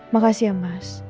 makasih ya mas